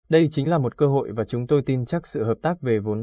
đây chính là một cơ hội và chúng tôi tin chắc sự hợp tác về vốn